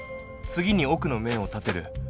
次に奥の面を立てる。